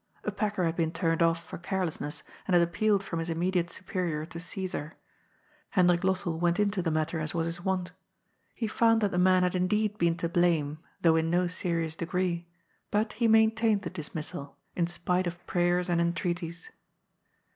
A packer had been turned off for carelessness, and had appealed from his immediate superior to Caesar. Hendrik Lossell went into the matter as was his wont. He found that the man had indeed been to blame, though in no seri ous degree, but he maintained the dismissal, in spite of prayers and entreaties.